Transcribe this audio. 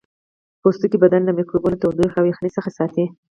پوستکی بدن له میکروبونو تودوخې او یخنۍ څخه ساتي